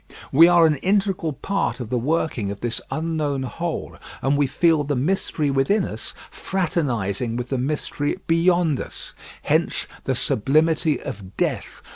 We are an integral part of the working of this unknown whole; and we feel the mystery within us fraternising with the mystery beyond us. Hence the sublimity of Death.